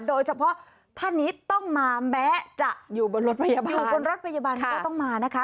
โดยเฉพาะท่านนี้ต้องมาแม้จะอยู่บนรถพยาบาลบนรถพยาบาลก็ต้องมานะคะ